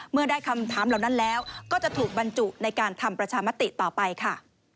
เมื่อได้คำถามเหล่านั้นแล้วก็จะถูกบรรจุในการทำประชามติต่อไปค่ะ